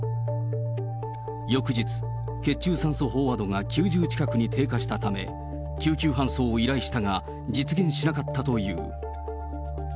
翌日、血中酸素飽和度が９０近くに低下したため、救急搬送を依頼したが、実現しなかったという。